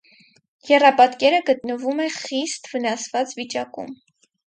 Եռապատկերը գտնվում է խիստ վնասված վիճակում։